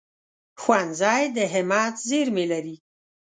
ښوونځی د همت زېرمې لري